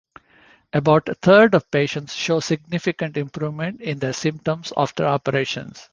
About a third of patients show significant improvement in their symptoms after operation.